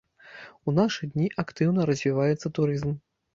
У нашы дні актыўна развіваецца турызм.